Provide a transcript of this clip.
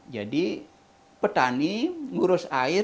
jadi petani ngurus air